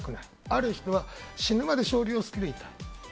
ある人は死ぬまで将棋を好きでいたい。